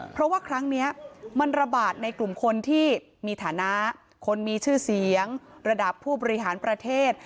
เพราะว่าครั้งนี้มันระบาดในกลุ่มคนที่มีฐานะคนมีชื่อเสียงระดับผู้บริหารประเทศ